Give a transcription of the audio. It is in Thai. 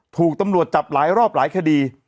ถูกตำรวจจับหลายรอบหลายคดี